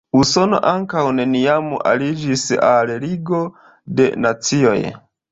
Usono ankaŭ neniam aliĝis al Ligo de Nacioj.